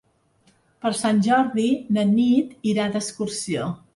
Per Sant Jordi na Nit irà d'excursió.